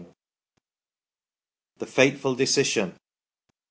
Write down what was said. THE FATEFUL DECISION.